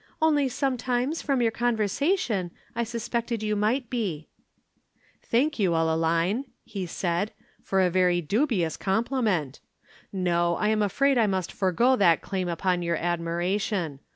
Only sometimes, from your conversation, I suspected you might be." "Thank you, Ellaline," he said, "for a very dubious compliment. No, I am afraid I must forego that claim upon your admiration.